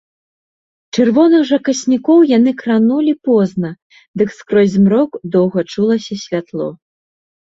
Чырвоных жа каснікоў яны кранулі позна, дык скрозь змрок доўга чулася святло.